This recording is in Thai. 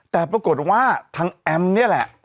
แต่ปรากฏว่าทางแอมนี่แหละ